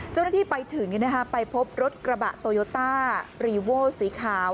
เจ้าหน้าที่ไปถึงไปพบรถกระบะโตโยต้ารีโวสีขาว